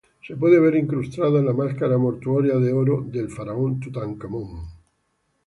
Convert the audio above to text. Se puede ver incrustada en la máscara mortuoria de oro del faraón Tutankamón.